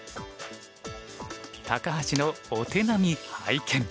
高橋のお手並み拝見。